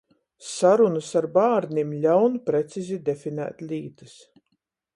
Sarunys ar bārnim ļaun precizi definēt lītys.